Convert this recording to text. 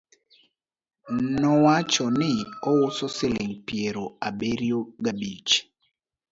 nowacho ni ouso siling piero abirio ga bich